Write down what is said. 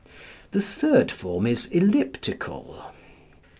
The third form is epileptical.